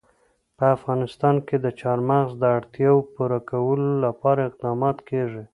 په افغانستان کې د چار مغز د اړتیاوو پوره کولو لپاره اقدامات کېږي.